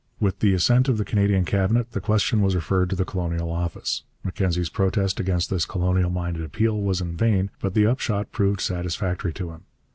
With the assent of the Canadian Cabinet the question was referred to the Colonial Office. Mackenzie's protest against this colonial minded appeal was in vain, but the upshot proved satisfactory to him.